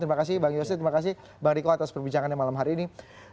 terima kasih bang yose terima kasih bang riko atas perbincangannya malam hari ini